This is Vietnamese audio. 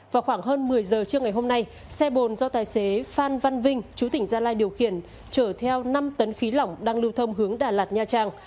vào khoảng hơn một mươi giờ trước ngày hôm nay xe bồn do tài xế phan văn vinh chú tỉnh gia lai điều khiển chở theo năm tấn khí lỏng đang lưu thông hướng đà lạt nha trang